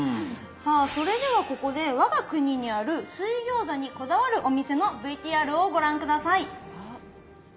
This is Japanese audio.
さあそれではここで我が国にある水餃子にこだわるお店のＶＴＲをご覧下さい。